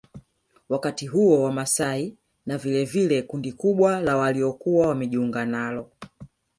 Wakati huo Wamasai na vilevile kundi kubwa la waliokuwa wamejiunga nalo